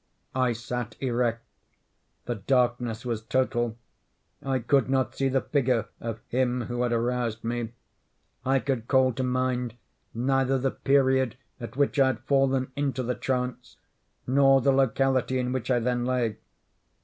I sat erect. The darkness was total. I could not see the figure of him who had aroused me. I could call to mind neither the period at which I had fallen into the trance, nor the locality in which I then lay.